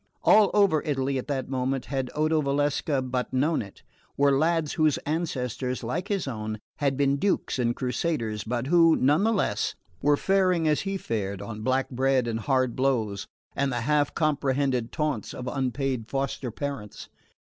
All over Italy at that moment, had Odo Valsecca but known it, were lads whose ancestors, like his own, had been dukes and crusaders, but who, none the less, were faring, as he fared, on black bread and hard blows, and the half comprehended taunts of unpaid foster parents.